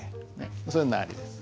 それが「なり」です。